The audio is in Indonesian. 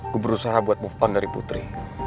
gue berusaha buat move on dari putri